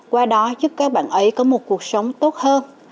qua đó giúp các bạn ấy có một cuộc sống tốt hơn